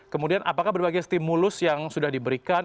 kemudian apakah berbagai stimulus yang sudah diberikan